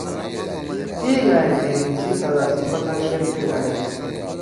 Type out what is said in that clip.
پیلائے دھریِن سی تدا سی پتہ شیرتے گھڑئیی